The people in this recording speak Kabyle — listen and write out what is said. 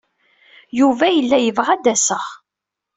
Yuba yella yebɣa ad d-aseɣ.